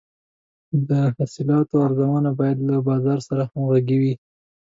د حاصلاتو ارزونه باید له بازار سره همغږې وي.